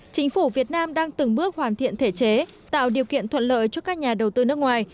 chính phủ việt nam đang từng bước hoàn thiện thể chế tạo điều kiện thuận lợi cho các nhà đầu tư nước ngoài